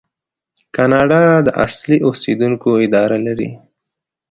کاناډا د اصلي اوسیدونکو اداره لري.